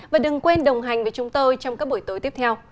và đừng quên đồng hành với chúng tôi trong các buổi tối tiếp theo